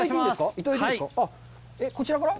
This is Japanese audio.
はいこちらから？